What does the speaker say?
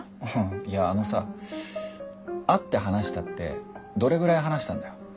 いやあのさ会って話したってどれぐらい話したんだよ？